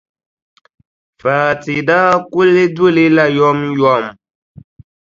Fati daa kuli du li la yomyom.